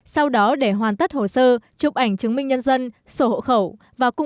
sau đó để hoàn tất hồ sơ chụp ảnh chứng minh nhân dân sổ hộ khẩu